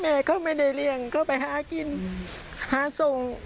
แม่เค้าไม่ได้เลี้ยงเค้าไปหากินหาส่ง